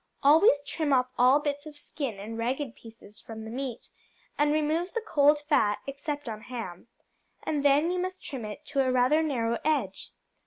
Always trim off all bits of skin and ragged pieces from the meat, and remove the cold fat, except on ham, and then you must trim it to a rather narrow edge.